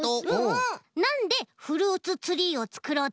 なんでフルーツツリーをつくろうとおもったの？